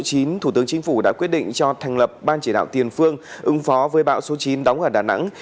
thủ tướng chính phủ đã quyết định cho thành lập ban chỉ đạo tiền phương ứng phó với bão số chín đóng ở đà nẵng